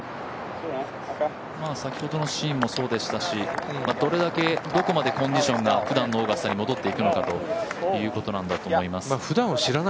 先ほどのシーンもそうでしたしどれだけ、どこまでコンディションがふだんのオーガスタに戻っていくのかということなんだと思います。